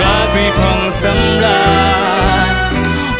ราวีพร่องสำราญ